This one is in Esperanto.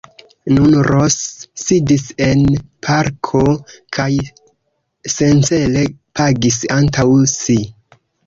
Nun Ros sidis en la parko kaj sencele gapis antaŭ si.